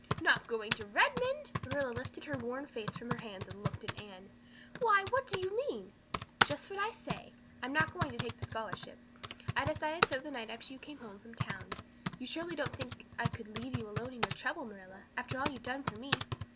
"Not going to Redmond!" Marilla lifted her worn face from her hands and looked at Anne. "Why, what do you mean?" "Just what I say. I'm not going to take the scholarship. I decided so the night after you came home from town. You surely don't think I could leave you alone in your trouble, Marilla, after all you've done for me.